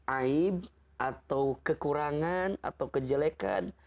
aib atau kekurangan atau kejelekan